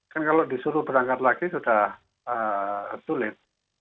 kan kalau disuruh berangkat lagi sudah sulit